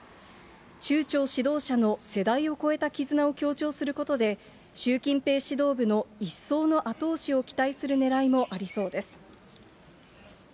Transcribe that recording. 中朝指導者の世代を超えた絆を強調することで、習近平指導部の一層の後押しを期待するねらいもありそうです。